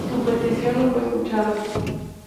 Su petición no fue escuchada.